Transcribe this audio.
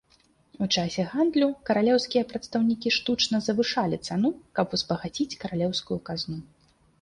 У часе гандлю каралеўскія прадстаўнікі штучна завышалі цану, каб узбагаціць каралеўскую казну.